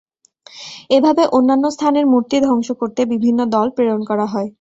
এভাবে অন্যান্য স্থানের মূর্তি ধ্বংস করতে বিভিন্ন দল প্রেরণ করা হয়।